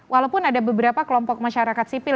walaupun ada beberapa kelompok masyarakat sipil